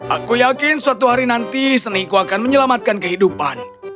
aku yakin suatu hari nanti seniku akan menyelamatkan kehidupan